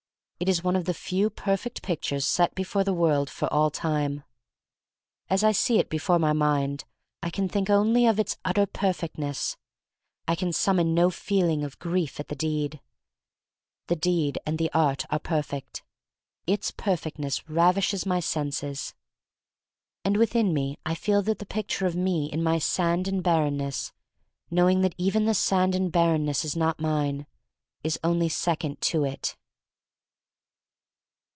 It is one of the few perfect pictures set before the world for all time. As I see it before my mind I can think only of its utter perfectness. I can summon no feeling of grief at the deed. The deed and the art are perfect. Its perfectness ravishes my senses. And within me I feel that the picture of me in my sand and barrenness — knowing that even the sand and bar renness is not mine — is only second to it.